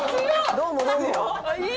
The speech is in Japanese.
「どうもどうも」。